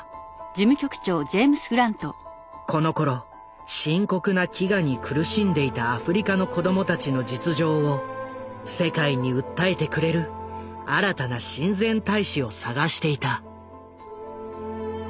このころ深刻な飢餓に苦しんでいたアフリカの子供たちの実情を世界に訴えてくれる新たな親善大使を探していた。